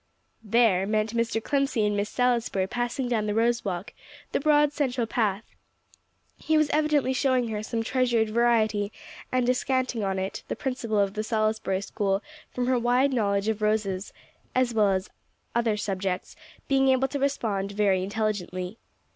_" "There" meant Mr. Clemcy and Miss Salisbury passing down the rose walk, the broad central path. He was evidently showing her some treasured variety and descanting on it; the principal of the Salisbury School from her wide knowledge of roses, as well as of other subjects, being able to respond very intelligently.